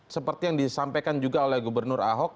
seperti yang disampaikan juga oleh gubernur ahok